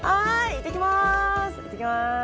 いってきます。